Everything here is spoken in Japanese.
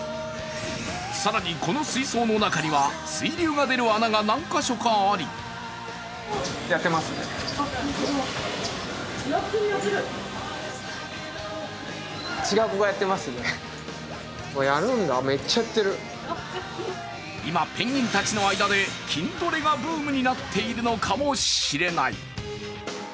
更にこの水槽の中には水流が出る穴が何カ所かあり今ペンギンたちの間で筋トレがブームになっているのかもしれない。